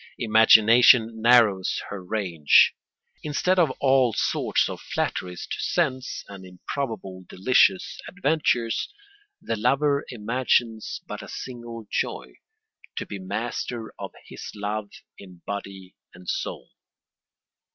Imagination narrows her range. Instead of all sorts of flatteries to sense and improbable delicious adventures, the lover imagines but a single joy: to be master of his love in body and soul.